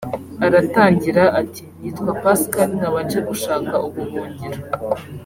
Aratangira ati “Nitwa Pascal nkaba nje gushaka ubuhungiro